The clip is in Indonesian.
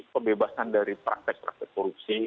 pembebasan dari praktek praktek korupsi